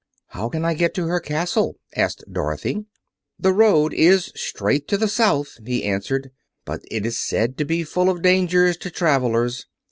"How can I get to her castle?" asked Dorothy. "The road is straight to the South," he answered, "but it is said to be full of dangers to travelers.